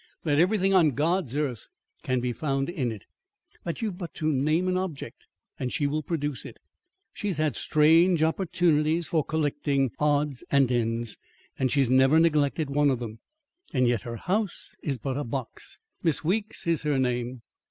That everything on God's earth can be found in it. That you've but to name an object, and she will produce it. She's had strange opportunities for collecting odds and ends, and she's never neglected one of them. Yet her house is but a box. Miss Weeks is her name."